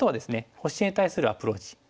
星に対するアプローチ。